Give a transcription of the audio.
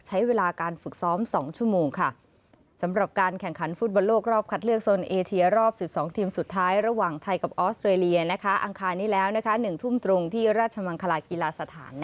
ใช้เวลาการฝึกซ้อม๒ชั่วโมงค่ะ